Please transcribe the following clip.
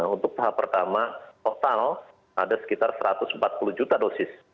untuk tahap pertama total ada sekitar satu ratus empat puluh juta dosis